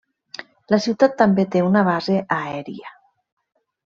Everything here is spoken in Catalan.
La ciutat també té una base aèria.